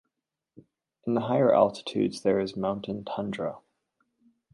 In the higher altitudes there is mountain tundra.